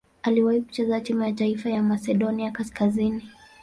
Aliwahi kucheza timu ya taifa ya Masedonia Kaskazini.